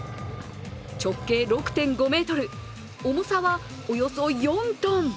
直径６．５ｍ、重さはおよそ４ｔ。